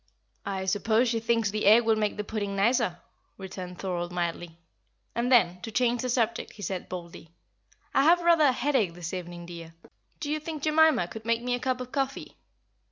"I suppose she thinks the egg will make the pudding nicer," returned Thorold, mildly; and then, to change the subject, he said, boldly, "I have rather a headache this evening, dear. Do you think Jemima could make me a cup of coffee?"